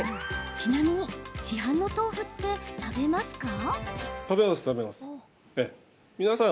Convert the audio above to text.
ちなみに、市販の豆腐って食べますか？